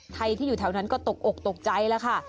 ใครที่อยู่แถวนั้นก็ตกอกตกใจแล้วค่ะ